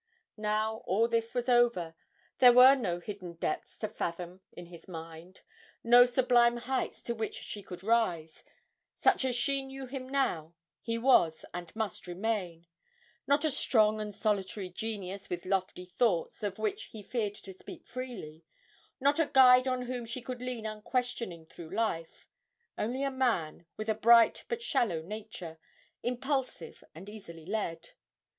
Now all this was over, there were no hidden depths to fathom in his mind, no sublime heights to which she could rise; such as she knew him now, he was and must remain not a strong and solitary genius with lofty thoughts of which he feared to speak freely, not a guide on whom she could lean unquestioning through life, only a man with a bright but shallow nature, impulsive and easily led.